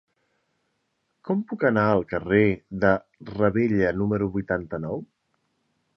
Com puc anar al carrer de Ravella número vuitanta-nou?